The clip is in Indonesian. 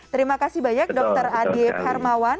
terima kasih banyak dokter adief hermawan